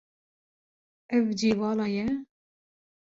Ev cî vala ye?